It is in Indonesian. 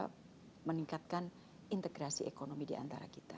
dan juga adalah bagaimana kita meningkatkan integrasi ekonomi di antara kita